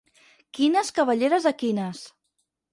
Quines cabelleres equines!